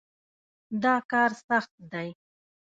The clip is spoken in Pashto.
دا کار سخت دی.